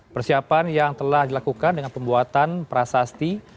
persiapan yang telah dilakukan dengan pembuatan prasasti